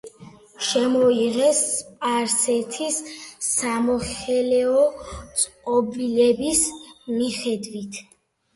შემოიღეს სპარსეთის სამოხელეო წყობილების მიხედვით.